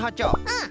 うん。